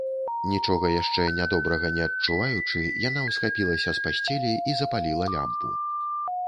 Нічога яшчэ нядобрага не адчуваючы, яна ўсхапілася з пасцелі і запаліла лямпу.